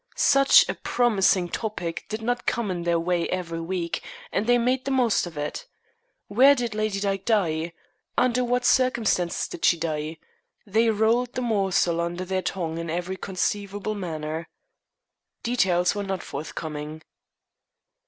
Such a promising topic did not come in their way every week, and they made the most of it. Where did Lady Dyke die? Under what circumstances did she die? They rolled the morsel under their tongue in every conceivable manner. Details were not forthcoming.